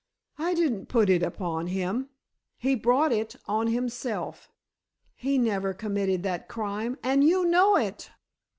"I didn't put it upon him—he brought it on himself." "He never committed that crime—and you know it!"